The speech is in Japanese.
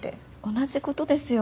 同じことですよ。